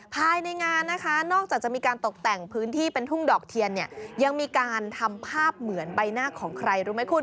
ภายในงานนะคะนอกจากจะมีการตกแต่งพื้นที่เป็นทุ่งดอกเทียนเนี่ยยังมีการทำภาพเหมือนใบหน้าของใครรู้ไหมคุณ